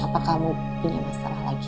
apa kamu punya masalah lagi